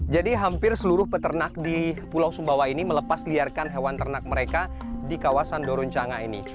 jadi hampir seluruh peternak di pulau sumbawa ini melepas liarkan hewan ternak mereka di kawasan doron cangga ini